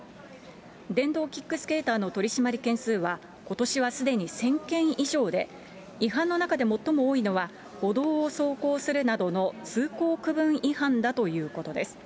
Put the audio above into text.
電動キックスケーターの取締り件数は、ことしはすでに１０００件以上で、違反の中で最も多いのは、歩道を走行するなどの通行区分違反だということです。